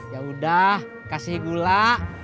yaudah kasih gula